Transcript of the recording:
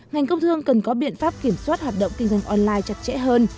ngành công thương cần có biện pháp kiểm soát hoạt động kinh doanh online chặt chẽ hơn